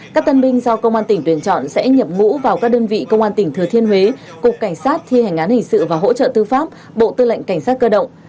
các tân binh do công an tỉnh tuyển chọn sẽ nhập ngũ vào các đơn vị công an tỉnh thừa thiên huế cục cảnh sát thi hành án hình sự và hỗ trợ tư pháp bộ tư lệnh cảnh sát cơ động